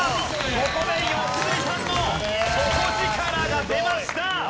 ここで良純さんの底力が出ました！